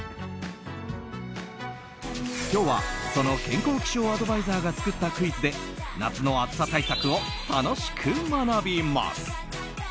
今日はその健康気象アドバイザーが作ったクイズで夏の暑さ対策を楽しく学びます。